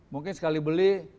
mungkin sekali beli